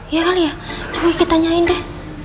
ya kali ya coba kita nyain deh